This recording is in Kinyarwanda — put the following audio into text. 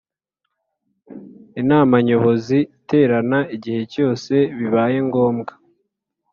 Inama Nyobozi iterana igihe cyose bibaye ngombwa